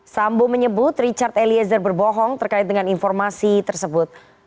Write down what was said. sambo menyebut richard eliezer berbohong terkait dengan informasi tersebut